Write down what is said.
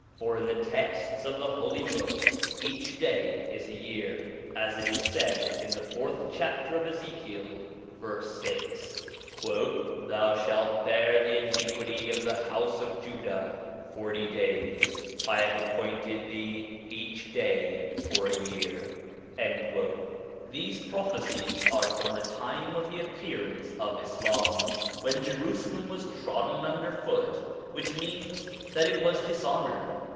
For in the texts of the Holy Book, each ON THE INFLUENCE OF THE PROPHETS 55 day is a year ; as it is said in the fourth chapter of Ezekiel, verse 6 :' Thou shalt bear the iniquity of the house of Judah forty days : I have appointed thee each day for a year.' These prophecies are from the time of the appearance of Islam, when Jerusalem was trodden under foot, which means that it was dishonoured.